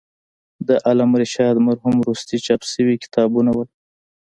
د علامه رشاد مرحوم وروستي چاپ شوي کتابونه و.